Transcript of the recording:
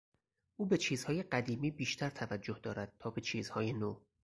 او به چیزهای قدیمی بیشتر توجه دارد تا به چیزهای نو.